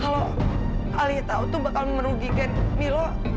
kalau ali tahu tuh bakal merugikan milo